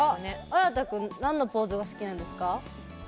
あらたくんなんのポーズがすきなんですか？